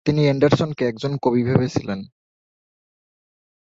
তিনি এন্ডারসনকে একজন কবি ভেবেছিলেন।